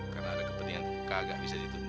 karena ada kepentingan kagak bisa ditunda